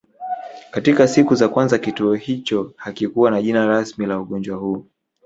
Katika siku za kwanza kituo hicho hakikuwa na jina rasmi la ugonjwa huu